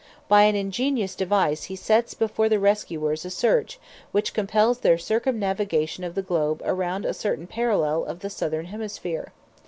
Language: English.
By an ingenious device he sets before the rescuers a search which compels their circumnavigation of the globe around a certain parallel of the southern hemisphere.